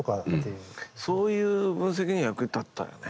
そういう分析には役に立ったよね。